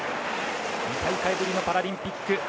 ２大会ぶりのパラリンピック